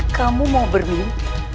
kamu mau bermimpi